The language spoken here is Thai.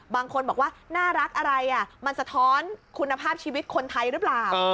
บางคนบอกว่าน่ารักอะไรมันสะท้อนคุณภาพชีวิตคนไทยหรือเปล่า